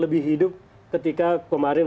lebih hidup ketika kemarin